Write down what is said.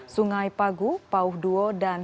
sungai pagu pauh duo dan